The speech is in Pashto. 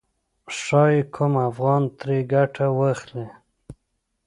ښايي کوم افغان ترې ګټه واخلي.